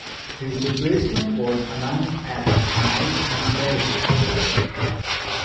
His replacement was announced as Mike McCleary.